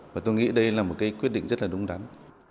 và tôi nghĩ đây là một cái quyết định rất là đúng đắn